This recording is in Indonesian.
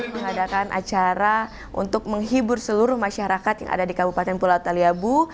mengadakan acara untuk menghibur seluruh masyarakat yang ada di kabupaten pulau taliabu